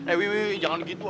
eh wih jangan gitu wih